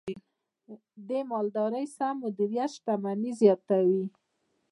د مالدارۍ سم مدیریت شتمني زیاتوي.